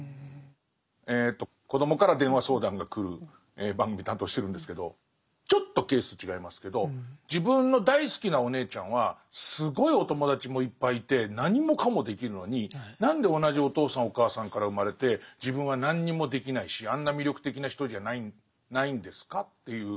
えと子どもから電話相談が来る番組担当してるんですけどちょっとケース違いますけど自分の大好きなお姉ちゃんはすごいお友達もいっぱいいて何もかもできるのに何で同じお父さんお母さんから生まれて自分は何にもできないしあんな魅力的な人じゃないんですか？という。